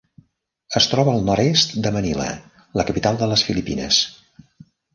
Es troba al nord-est de Manila, la capital de les Filipines.